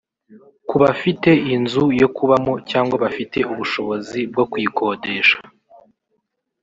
Kuba bafite inzu yo kubamo cyangwa bafite ubushobozi bwo kuyikodesha